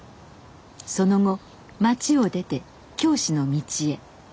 その後町を出て教師の道へ。